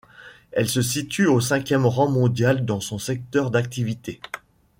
Elle se situe au cinquième rang mondial dans son secteur d'activité.